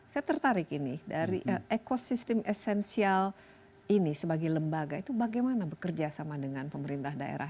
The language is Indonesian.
saya tertarik ini dari ekosistem esensial ini sebagai lembaga itu bagaimana bekerja sama dengan pemerintah daerah